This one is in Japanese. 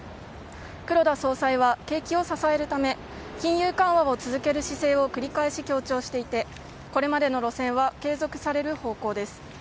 黒田総裁は、景気を支えるため金融緩和を続ける姿勢を繰り返し強調していてこれまでの路線は継続される方向です。